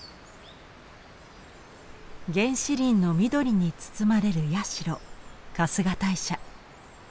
原始林の緑に包まれる社春日大社。